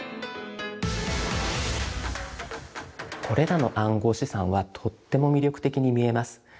これらの暗号資産はとっても魅力的に見えます。